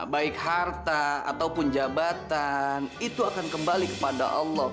baik harta ataupun jabatan itu akan kembali kepada allah